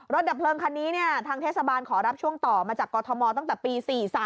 ดับเพลิงคันนี้ทางเทศบาลขอรับช่วงต่อมาจากกรทมตั้งแต่ปี๔๓